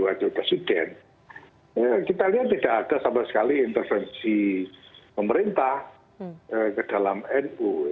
jadi waktu presiden kita lihat tidak ada sama sekali intervensi pemerintah ke dalam nu